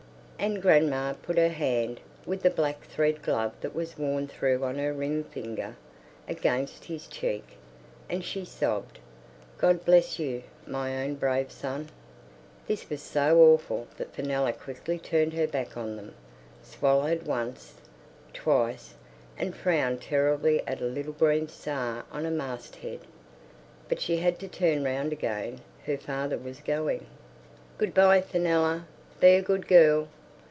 And grandma put her hand, with the black thread glove that was worn through on her ring finger, against his cheek, and she sobbed, "God bless you, my own brave son!" This was so awful that Fenella quickly turned her back on them, swallowed once, twice, and frowned terribly at a little green star on a mast head. But she had to turn round again; her father was going. "Good bye, Fenella. Be a good girl."